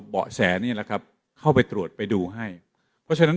เบาะแสนี่แหละครับเข้าไปตรวจไปดูให้เพราะฉะนั้น